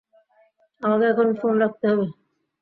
আমাকে এখন ফোন রাখতে হবে।